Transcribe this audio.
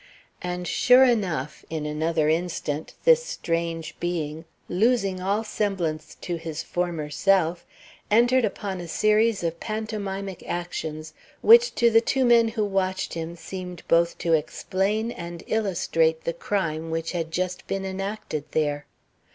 And sure enough, in another instant this strange being, losing all semblance to his former self, entered upon a series of pantomimic actions which to the two men who watched him seemed both to explain and illustrate the crime which had just been enacted there.